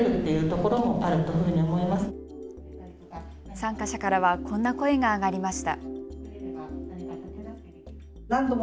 参加者からはこんな声が上がりました。